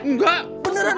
enggak beneran enggak kok